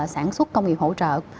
sản xuất công nghiệp hỗ trợ của việt nam